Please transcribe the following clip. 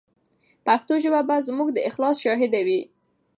پښتو ژبه به زموږ د اخلاص شاهده وي.